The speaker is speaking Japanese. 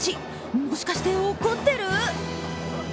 もしかして怒ってる？